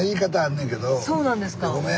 そうなんですか。